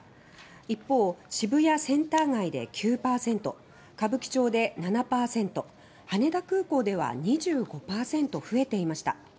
一方、渋谷センター街で９％歌舞伎町で７％羽田空港では２５％増えていました。